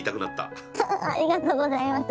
ありがとうございます。